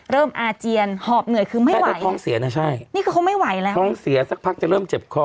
อาเจียนหอบเหนื่อยคือไม่ไหวท้องเสียนะใช่นี่คือเขาไม่ไหวแล้วท้องเสียสักพักจะเริ่มเจ็บคอ